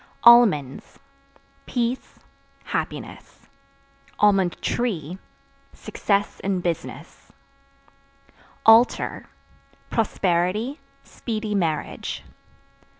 Almonds Peace, happiness; (tree) success in business. Altar Prosperity, speedy marriage.